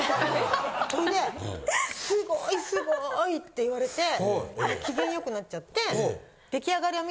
そいで「すごいすごい」って言われて機嫌よくなっちゃって。